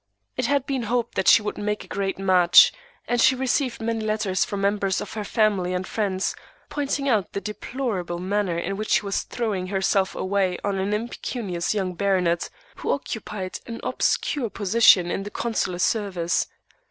It had been hoped that she would make a great match, and she received many letters from members of her family and friends, pointing out the deplorable manner in which she was throwing herself away on an impecunious young baronet who occupied an obscure position in the Consular Service.